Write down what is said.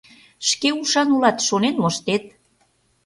Шке ушан улат, шонен моштет...